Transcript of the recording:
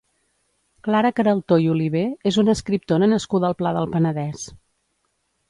Clara Queraltó i Olivé és una escriptora nascuda al Pla del Penedès.